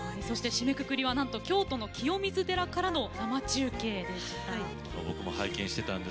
そして、締めくくりはなんと京都の清水寺からの生中継でした。